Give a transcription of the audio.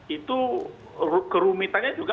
itu kerumitannya juga